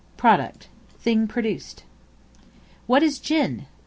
Product, thing produced. What is Gin?